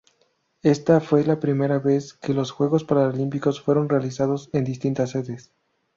Esta fue la primera vez que los Juegos Paralímpicos fueron realizados en distintas sedes.